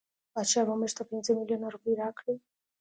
بادشاه به مونږ ته پنځه میلیونه روپۍ راکړي.